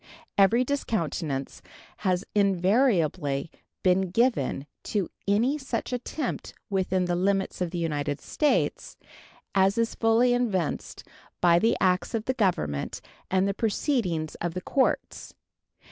Every discountenance has invariably been given to any such attempt within the limits of the United States, as is fully evinced by the acts of the Government and the proceedings of the courts.